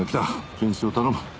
検視を頼む。